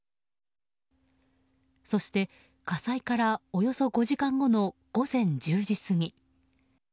そして火災からおよそ５時間後の午前１０時過ぎ。